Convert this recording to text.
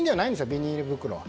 ビニール袋は。